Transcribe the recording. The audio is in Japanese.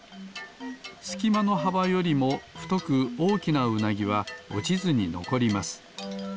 すきまのはばよりもふとくおおきなウナギはおちずにのこります。